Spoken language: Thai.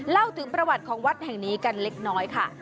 เล่าถึงประวัติของวัดแห่งนี้กันเล็กน้อยค่ะ